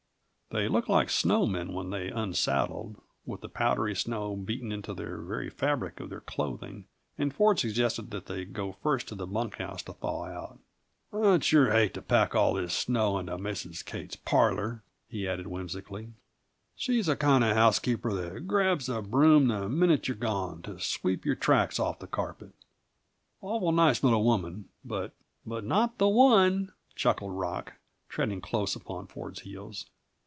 They looked like snow men when they unsaddled, with the powdery snow beaten into the very fabric of their clothing, and Ford suggested that they go first to the bunk house to thaw out. "I'd sure hate to pack all this snow into Mrs. Kate's parlor," he added whimsically. "She's the kind of housekeeper that grabs the broom the minute you're gone, to sweep your tracks off the carpet. Awful nice little woman, but " "But not The One," chuckled Rock, treading close upon Ford's heels.